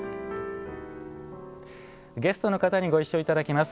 ゲストの方にご一緒いただきます。